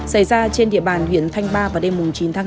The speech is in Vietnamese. xảy ra trên địa bàn huyện thanh ba vào đêm chín tháng tám